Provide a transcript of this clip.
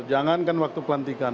jangankan waktu pelantikan